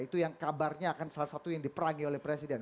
itu yang kabarnya akan salah satu yang diperangi oleh presiden